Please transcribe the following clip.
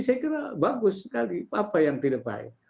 saya kira bagus sekali apa yang tidak baik